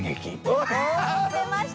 お出ました！